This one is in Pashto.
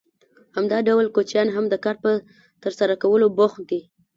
همدا ډول کوچنیان هم د کار په ترسره کولو بوخت دي